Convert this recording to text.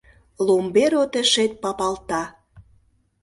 Ломбер отешет папалта.